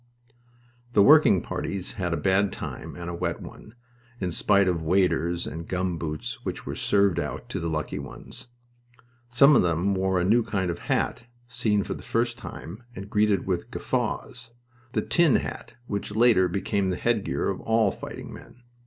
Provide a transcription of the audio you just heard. The working parties had a bad time and a wet one, in spite of waders and gum boots which were served out to lucky ones. Some of them wore a new kind of hat, seen for the first time, and greeted with guffaws the "tin" hat which later became the headgear of all fighting men.